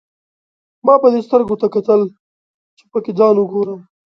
ما به دې سترګو ته کتل، چې پکې ځان وګورم.